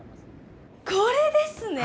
これですね。